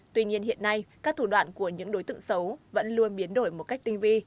tuy nhiên hiện nay các thủ đoạn của những đối tượng xấu vẫn luôn biến đổi một cách tinh vi